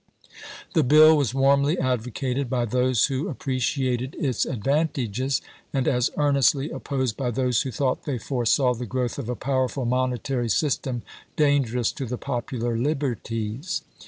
The bill was warmly advocated by those who ap preciated its advantages, and as earnestly opposed by those who thought they foresaw the growth of a powerful monetary system dangerous to the pop ular liberties.